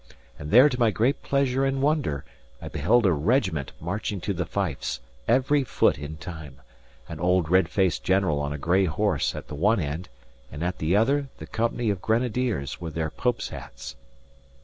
And there, to my great pleasure and wonder, I beheld a regiment marching to the fifes, every foot in time; an old red faced general on a grey horse at the one end, and at the other the company of Grenadiers, with their Pope's hats.